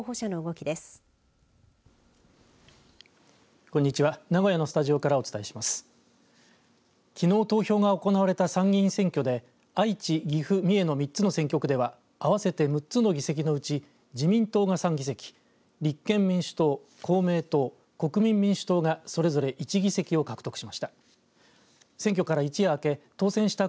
きのう投票が行われた参議院選挙で愛知、岐阜、三重の３つの選挙区では合わせて６つの議席のうち自民党が３議席、立憲民主党、公明党、国民民主党が、それぞれ１議席を獲得しました。